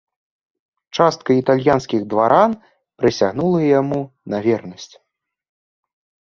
Частка італьянскіх дваран прысягнула яму на вернасць.